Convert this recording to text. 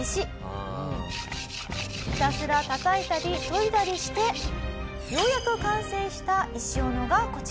ひたすらたたいたり研いだりしてようやく完成した石斧がこちら。